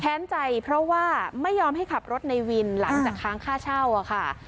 ใจเพราะว่าไม่ยอมให้ขับรถในวินหลังจากค้างค่าเช่าอะค่ะ